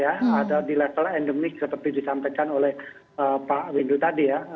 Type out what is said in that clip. ada di level endemik seperti disampaikan oleh pak windu tadi ya